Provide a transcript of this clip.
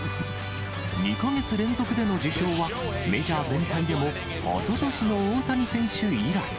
２か月連続での受賞は、メジャー全体でも、おととしの大谷選手以来。